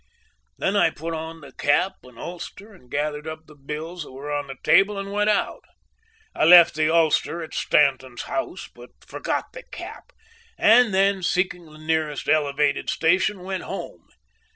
"Then I put on the cap and ulster and gathered up the bills that were on the table and went out. I left the ulster at Stanton's house, but forgot the cap, and then, seeking the nearest elevated station, went home.